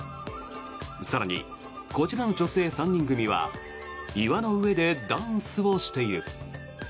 更に、こちらの女性３人組は岩の上でダンスをしている。